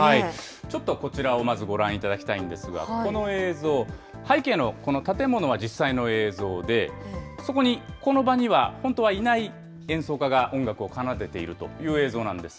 ちょっとこちらをまずご覧いただきたいんですが、この映像、背景のこの建物は実際の映像で、そこにこの場には本当はいない演奏家が音楽を奏でているという映像なんです。